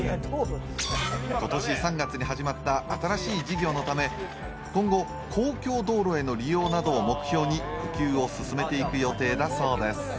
今年３月に始まった新しい事業のため今後、公共道路などの道路への利用などを目標に普及していくそうです。